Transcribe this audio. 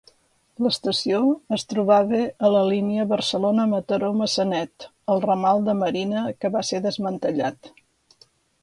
L'estació es trobava a la línia Barcelona-Mataró-Maçanet, al ramal de Marina que va ser desmantellat.